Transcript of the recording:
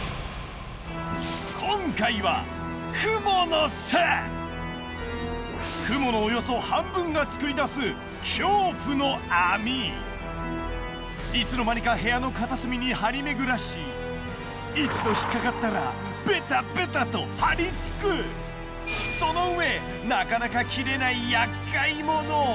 今回はクモのおよそ半分がつくり出すいつの間にか部屋の片隅に張り巡らし一度引っかかったらその上なかなか切れないやっかい者。